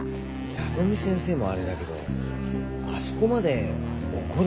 矢富先生もあれだけどあそこまで怒るのもねえ。